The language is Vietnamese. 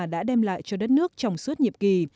đã đem lại cho đất nước trong suốt nhiệm kỳ